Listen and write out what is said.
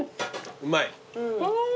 うまい。